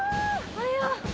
おはよう！